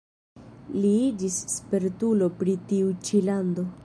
Li iĝis spertulo pri tiu ĉi lando.